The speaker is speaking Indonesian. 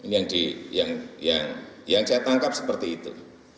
ini yang saya tangkap seperti itu